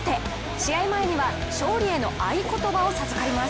試合前には勝利の合い言葉を授かります。